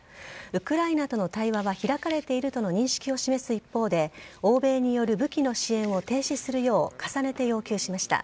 ウクライナとの対話は開かれているとの認識を示す一方で欧米による武器の支援を停止するよう重ねて要求しました。